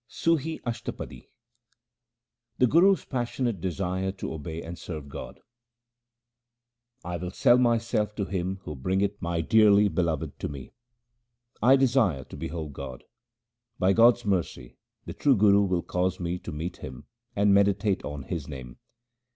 Sum Ashtapadi The Guru's passionate desire to obey and serve God :— I will sell myself to him who bringeth my dearly Beloved to me. I desire to behold God. By God's mercy the true Guru will cause me to meet Him and meditate on His name.